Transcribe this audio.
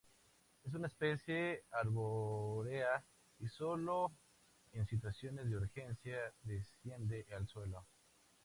Es una especie arbórea y solo en situaciones de urgencia desciende al suelo.